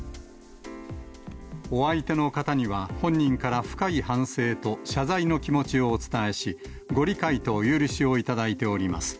お相手の方には、本人から深い反省と謝罪の気持ちをお伝えし、ご理解とお許しをいただいております。